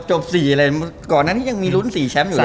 ๔เลยก่อนนั้นที่ยังมีลุ้น๔แชมป์อยู่เลย